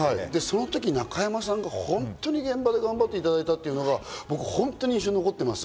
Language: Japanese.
その時、中山さんに現場で本当に頑張っていただいたことが印象に残ってます。